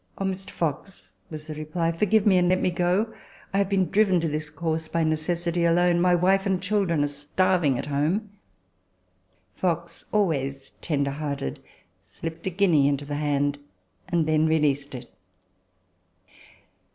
" Oh, Mr. Fox," was the reply, " forgive me, and let me go ! I have been driven to this course by necessity alone ; my wife and children are starving at home." Fox, always tender hearted, slipped a guinea into the hand, and then released it.